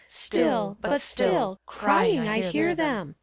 Still— but still Crying, I hear them.